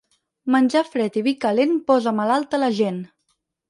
Menjar fred i vi calent posa malalta la gent.